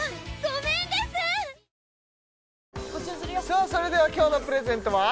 さあそれでは今日のプレゼントは？